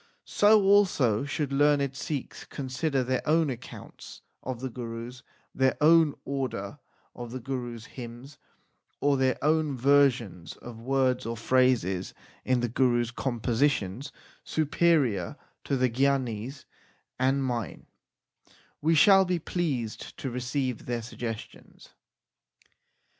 So also should learned Sikhs con sider their own accounts of the Gurus, their own order of the Gurus hymns, or their own versions of words or phrases in the Gurus compositions superior to the gyanis and mine, we shall be pleased to receive their suggestions.